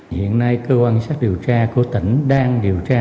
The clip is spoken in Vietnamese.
hiện nay cơ quan sát điều tra của tỉnh đang điều tra